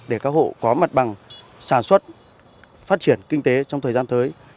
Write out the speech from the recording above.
để các hộ có mặt bằng sản xuất phát triển kinh tế trong thời gian tới